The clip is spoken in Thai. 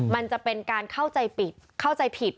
มันจะเป็นการเข้าใจผิด